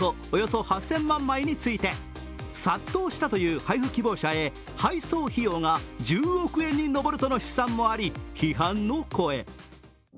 およそ８０００万枚について、殺到したという配布希望者へ配送費用が１０億円に上るとの試算もあり批判の声。